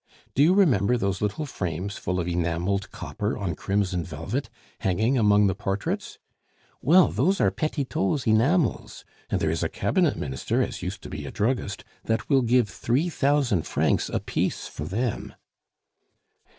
Do you remember those little frames full of enameled copper on crimson velvet, hanging among the portraits?... Well, those are Petitot's enamels; and there is a cabinet minister as used to be a druggist that will give three thousand francs apiece for them."